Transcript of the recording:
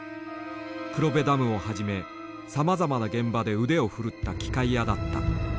黒部ダムをはじめさまざまな現場で腕を振るった機械屋だった。